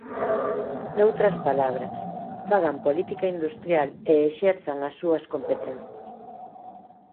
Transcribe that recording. Noutras palabras, fagan política industrial e exerzan as súas competencias.